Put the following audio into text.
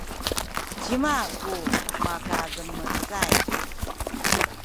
cima ku makademecay?